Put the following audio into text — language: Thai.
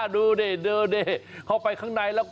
ดูนี่ดูนี่